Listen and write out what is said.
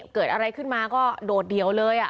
เกิดอะไรขึ้นมาก็โดดเดี่ยวเลย